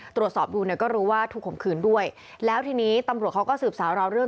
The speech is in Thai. ตรวจสอบดูเนี่ยก็รู้ว่าถูกข่มขืนด้วยแล้วทีนี้ตำรวจเขาก็สืบสาวราวเรื่อง